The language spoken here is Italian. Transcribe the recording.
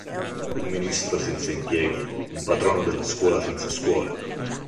Un ministro senza impieghi, un patrono della scuola senza scuole!